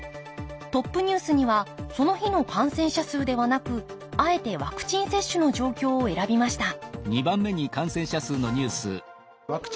トップニュースにはその日の感染者数ではなくあえてワクチン接種の状況を選びました